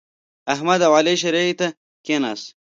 احمد او علي شرعې ته کېناستل.